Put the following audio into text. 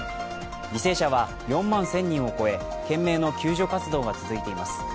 犠牲者は４万１０００人を超え懸命の救助活動が続いています。